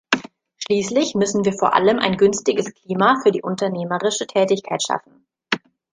Schließlich müssen wir vor allem ein günstiges Klima für die unternehmerische Tätigkeit schaffen.